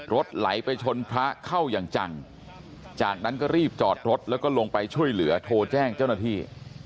ไหลไปชนพระเข้าอย่างจังจากนั้นก็รีบจอดรถแล้วก็ลงไปช่วยเหลือโทรแจ้งเจ้าหน้าที่